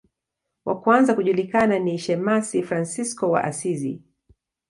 Wa kwanza kujulikana ni shemasi Fransisko wa Asizi.